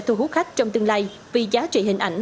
thu hút khách trong tương lai vì giá trị hình ảnh